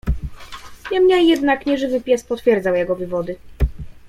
"Niemniej jednak, nieżywy pies potwierdzał jego wywody."